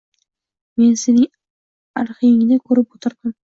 Men sening arxiingni koʻrib oʻtirdim